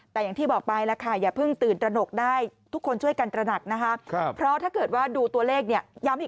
แต่อย่างที่บอกไปละค่ะอย่าเพิ่งตื่นตระหนกได้